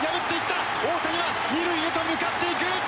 大谷は２塁へと向かっていく！